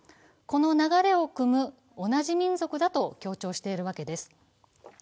この流れをくむ同じ民族だと強調しているわけです。